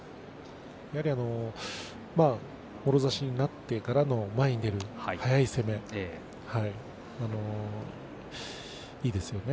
やはり、もろ差しになってから前に出る速い攻め、いいですよね。